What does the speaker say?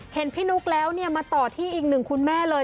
เห็นพี่นุ๊กแล้วเนี่ยมาต่อที่อีกหนึ่งคุณแม่เลย